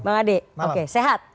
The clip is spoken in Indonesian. bang ade oke sehat